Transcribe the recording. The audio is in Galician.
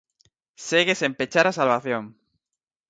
Segue sen pechar a salvación.